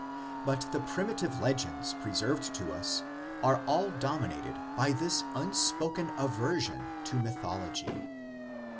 But the primitive legends preserved to us are all dominated by this unspoken aversion to mythology.